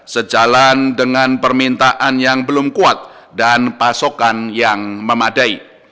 sejalan dengan permintaan yang belum kuat dan pasokan yang memadai